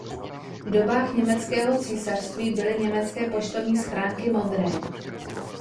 V dobách německého císařství byly německé poštovní schránky modré.